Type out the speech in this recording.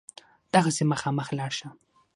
دغسې مخامخ لاړ شه.